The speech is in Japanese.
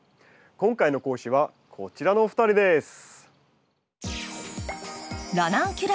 今回の講師はこちらのお二人です。